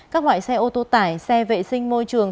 các loại xe ô tô tải xe vệ sinh môi trường